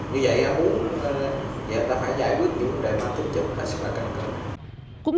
như vậy chúng ta phải giải quyết những vấn đề mà tự chụp là sự cạnh cưỡng